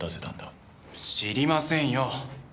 知りませんよ。